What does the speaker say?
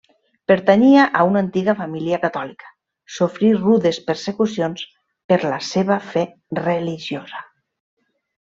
Pertanyia a una antiga família catòlica; sofrí rudes persecucions per la seva fe religiosa.